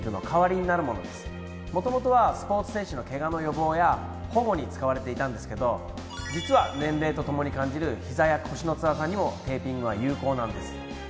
元々はスポーツ選手のケガの予防や保護に使われていたんですけど実は年齢とともに感じるひざや腰のつらさにもテーピングは有効なんです。